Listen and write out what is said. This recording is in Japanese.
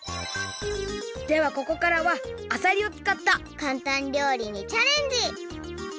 ではここからはあさりをつかったかんたん料理にチャレンジ！